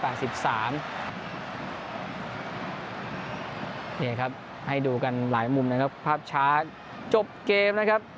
นี่ครับให้ดูกันหลายมุมนะครับภาพช้าจบเกมนะครับ